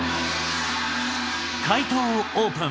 解答をオープン。